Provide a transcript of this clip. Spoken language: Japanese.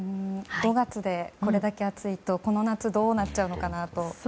５月でこれだけ暑いとこの夏どうなっちゃうのかなと。